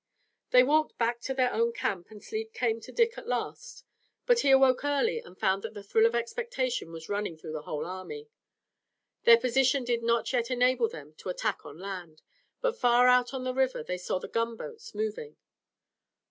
They walked back to their own camp and sleep came to Dick at last. But he awoke early and found that the thrill of expectation was running through the whole army. Their position did not yet enable them to attack on land, but far out on the river they saw the gunboats moving.